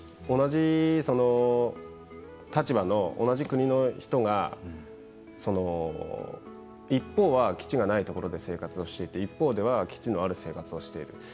同じ立場の、同じ国の人が一方では基地がないところで生活をしていて一方では基地のある生活をしている。